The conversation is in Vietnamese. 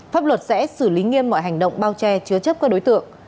pháp luật sẽ xử lý nghiêm mọi hành động bao che chứa chấp các đối tượng